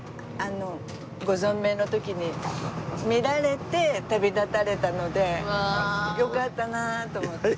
ご存命の時に見られて旅立たれたのでよかったなあと思って。